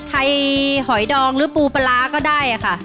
ไทยหอยดองหรือปูปลาร้าก็ได้ค่ะ